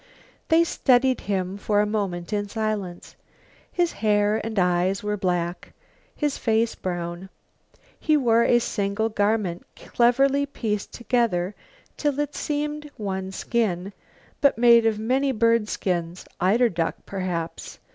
They studied him for a moment in silence. His hair and eyes were black, his face brown. He wore a single garment, cleverly pieced together till it seemed one skin, but made of many bird skins, eiderduck, perhaps.